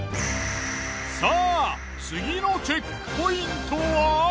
さあ次のチェックポイントは。